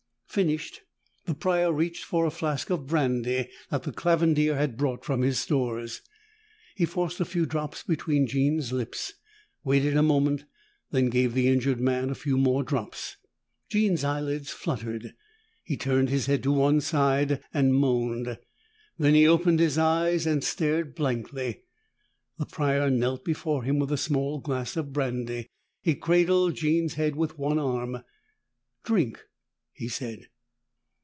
Finished, the Prior reached for a flask of brandy that the Clavandier had brought from his stores. He forced a few drops between Jean's lips, waited a moment, then gave the injured man a few more drops. Jean's eyelids fluttered. He turned his head to one side and moaned. Then he opened his eyes and stared blankly. The Prior knelt before him with a small glass of brandy. He cradled Jean's head with one arm. "Drink," he said.